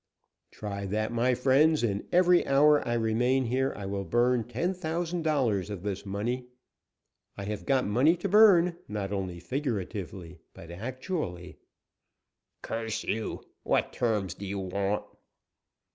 "Try that, my friends, and every hour I remain here I will burn ten thousand dollars of this money. I have got money to burn, not only figuratively, but actually." "Curse you! What terms do you want?"